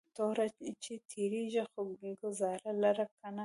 توره چې تیرېږي خو گزار لره کنه